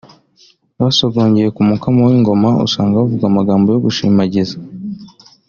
basogongeye ku mukamo w’ingoma usanga bavuga amagambo yo gushimagiza